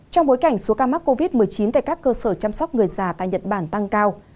trong bối cảnh số ca mắc covid một mươi chín tại các cơ sở chăm sóc người già tại nhật bản tăng cao